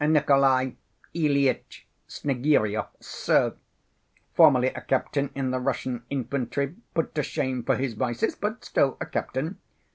"Nikolay Ilyitch Snegiryov, sir, formerly a captain in the Russian infantry, put to shame for his vices, but still a captain.